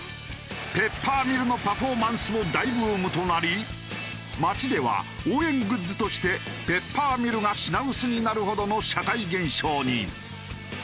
ペッパーミルのパフォーマンスも大ブームとなり街では応援グッズとしてペッパーミルが品薄になるほどの社会現象に。